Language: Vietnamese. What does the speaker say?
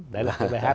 đây là cái bài hát đó